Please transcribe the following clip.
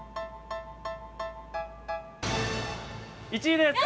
１位です！